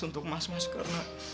untuk mas mas karena